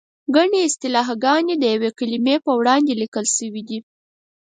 ګڼې اصطلاحګانې د یوې کلمې په وړاندې لیکل شوې دي.